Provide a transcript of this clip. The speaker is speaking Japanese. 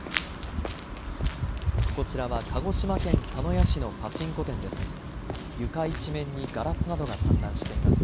こちらは鹿児島県鹿屋市のパチンコ店です。